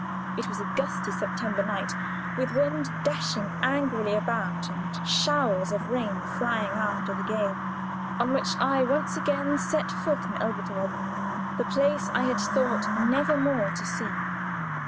It was a gusty September night, with wind dashing angrily about and showers of rain flying before the gale, on which I once again set foot in Elberthal the place I had thought never more to see.